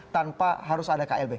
tanpa harus ada klb